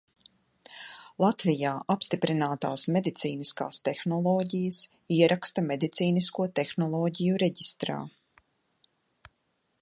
Latvijā apstiprinātās medicīniskās tehnoloģijas ieraksta Medicīnisko tehnoloģiju reģistrā.